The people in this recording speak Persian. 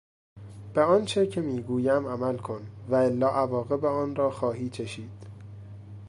به آنچه که میگویم عمل کن والا عواقب آن را خواهی چشید.